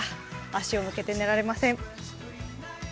足を向けて寝られません。